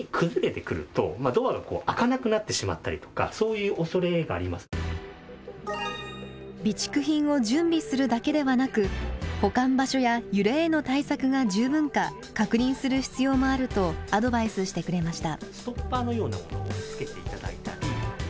このお部屋はですね備蓄品を準備するだけではなく保管場所や揺れへの対策が十分か確認する必要もあるとアドバイスしてくれました。